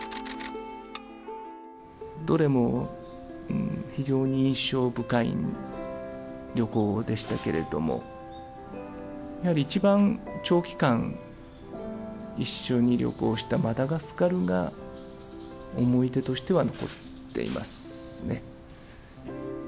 どれも非常に印象深い旅行でしたけれども、やはり一番長期間、一緒に旅行したマダガスカルが思い出としては残っていますね。